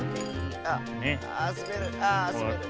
あっすべる。